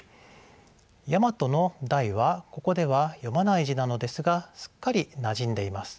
「大和」の「大」はここでは読まない字なのですがすっかりなじんでいます。